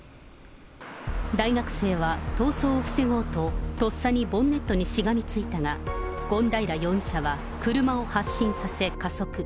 大学生は逃走を防ごうと、とっさにボンネットにしがみついたが、権平容疑者は車を発進させ、加速。